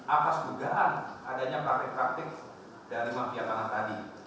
atas dugaan adanya praktik praktik dari mafia pangan tadi